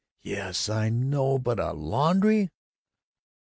"Yes, I know, but A laundry!"